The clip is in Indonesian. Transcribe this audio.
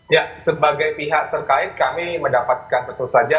ya sebagai pihak terkait kami mendapatkan tentu saja